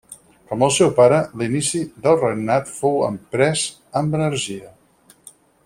Com el seu pare, l'inici del regnat fou emprès amb energia.